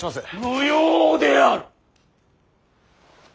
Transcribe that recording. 無用である！